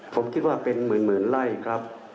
ผมคิดว่าเป็นหมื่นไร่ครับ